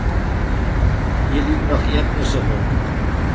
Hier liegen noch Erdnüsse rum.